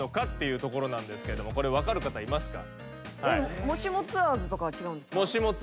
これ分かる方いますか？